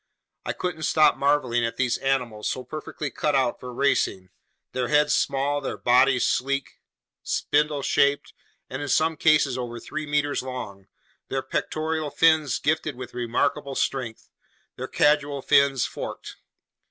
I couldn't stop marveling at these animals so perfectly cut out for racing, their heads small, their bodies sleek, spindle shaped, and in some cases over three meters long, their pectoral fins gifted with remarkable strength, their caudal fins forked.